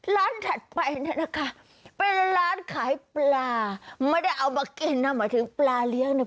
ถัดไปเนี่ยนะคะเป็นร้านขายปลาไม่ได้เอามากินนะหมายถึงปลาเลี้ยงเนี่ย